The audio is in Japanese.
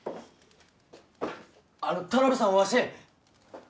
あの田辺さんわし！